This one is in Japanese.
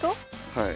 はい。